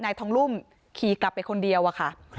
นายทองรุ่มขี่กลับไปคนเดียวอะค่ะ